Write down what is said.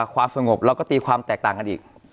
ความสงบเราก็ตีความแตกต่างกันอีก